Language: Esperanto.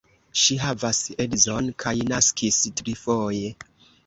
Ŝi havas edzon kaj naskis trifoje.